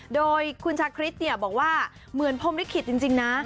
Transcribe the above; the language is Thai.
โดยคุณชาคริสบอกว่าเหมือนพรมลิขิตจริงนะ